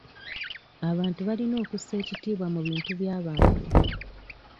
Abantu balina okussa ekitiibwa mu bintu by'abantu.